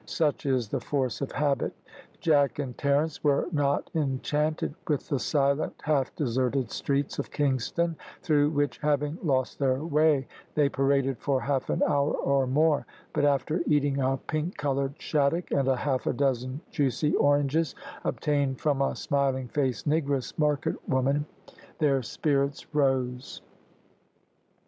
Such is the force of habit. Jack and Terence were not enchanted with the silent, half deserted streets of Kingston, through which, having lost their way, they paraded for half an hour or more; but after eating a pink coloured shaddock, and half a dozen juicy oranges, obtained from a smiling faced negress market woman, their spirits rose.